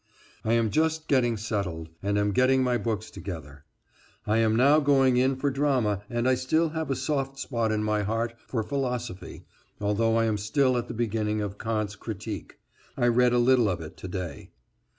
I am just getting settled and am getting my books together. I am now going in for drama and I still have a soft spot in my heart for philosophy, although I am still at the beginning of Kant's Critique. I read a little of it to day.